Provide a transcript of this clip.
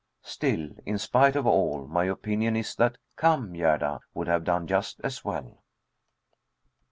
Still, in spite of all, my opinion is that "Come, Gerda," would have done just as well.